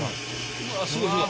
うわっすごいすごい。